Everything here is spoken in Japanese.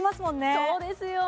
そうですよ